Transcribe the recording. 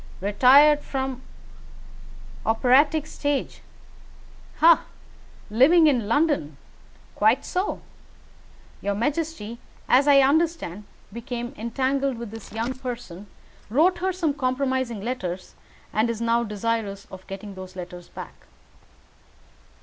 Retired from operatic stage ha! Living in London quite so! Your majesty, as I understand, became entangled with this young person, wrote her some compromising letters, and is now desirous of getting those letters back."